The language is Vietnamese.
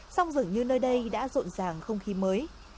song dường như nơi đây đã rộn ràng không khí mới